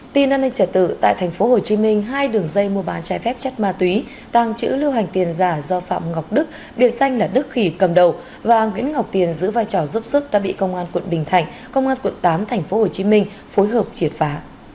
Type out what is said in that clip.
tin an ninh trả tự tại tp hcm hai đường dây mua bán trái phép chất ma túy tàng chữ lưu hành tiền giả do phạm ngọc đức biệt xanh là đức khỉ cầm đầu và nguyễn ngọc tiền giữ vai trò giúp sức đã bị công an quận bình thạnh công an quận tám tp hcm phối hợp triệt phá